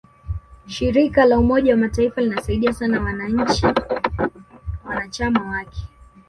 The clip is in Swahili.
shirika la umoja wa mataifa linasaidia sana nchi wanachama wake